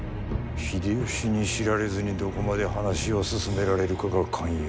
秀吉に知られずにどこまで話を進められるかが肝要。